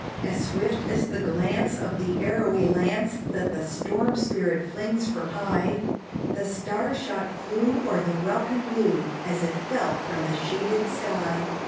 As swift as the glance of the arrowy lance That the storm spirit flings from high, The star shot flew o'er the welkin blue, As it fell from the sheeted sky.